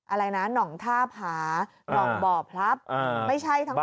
อะไรนะหน่องท่าผาหน่องบ่อพลับไม่ใช่ทั้งหมด